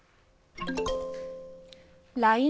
ＬＩＮＥ